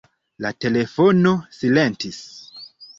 La telefono silentis.